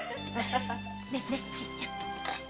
ねえねえチーちゃん。